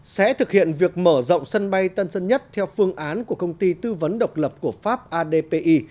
sẽ thực hiện việc mở rộng sân bay tân sân nhất theo phương án của công ty tư vấn độc lập của pháp adpi